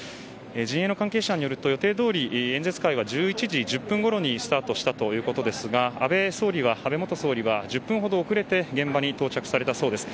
陣営の関係者によると予定どおり演説会は１１時１０分ごろにスタートしたということですが安倍元総理は１０分ほど遅れて現場に到着されたそうです。